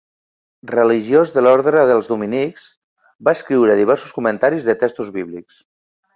Religiós de l'orde dels dominics, va escriure diversos comentaris de textos bíblics.